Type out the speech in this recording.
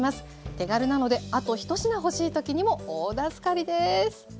手軽なのであと１品欲しい時にも大助かりです。